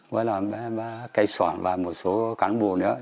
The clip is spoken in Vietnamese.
với là bác cái sỏn và một số cán bộ nữa